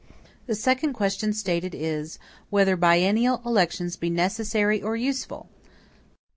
The second question stated is, whether biennial elections be necessary or useful.